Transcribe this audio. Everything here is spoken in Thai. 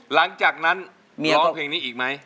หลังจากนั้นร้องเพลงนี้อีกไหม